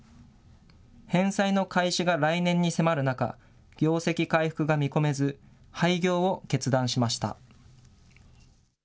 返済の開始が来年に迫る中、業績回復が見込めず、廃業を決断しました。